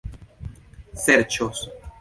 serĉos